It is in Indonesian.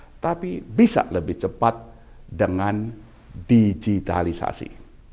tetapi bisa lebih cepat dengan digitalisasi